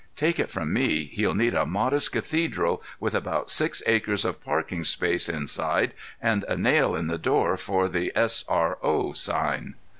Take it from me, he'll need a modest cathedral with about six acres of parking space inside and a nail in the door for the S. R. O. sign.